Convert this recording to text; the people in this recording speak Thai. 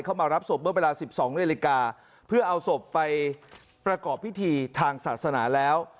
เข้ามารับศพเมื่อเวลา๑๒นาทีเพื่อเอาศพไปประกอบพิธีทางศาสนาแล้ว